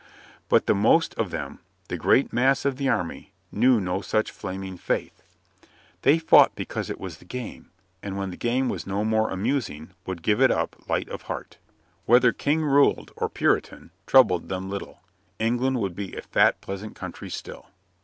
But the most of them, the great mass of the army, knew no such flaming faith. They fought because it was the game, and when the game was no more amusing would give it up light of heart. Whether King ruled or Puritan troubled them little. England would be a fat pleasant country still.